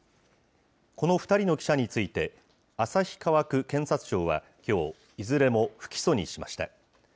この２人の記者について、旭川区検察庁はきょう、いずれも不起訴にしました。